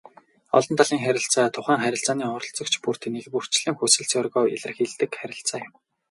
Олон талын харилцаа тухайн харилцааны оролцогч бүр нэгбүрчилсэн хүсэл зоригоо илэрхийлдэг харилцаа юм.